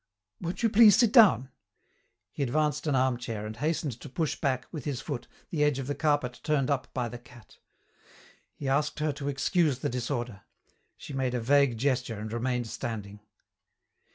"Won't you please sit down?" He advanced an armchair and hastened to push back, with his foot, the edge of the carpet turned up by the cat. He asked her to excuse the disorder. She made a vague gesture and remained standing.